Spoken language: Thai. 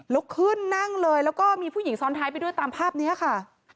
ลุกขึ้นนั่งเลยแล้วก็มีผู้หญิงซ้อนท้ายไปด้วยตามภาพนี้ค่ะ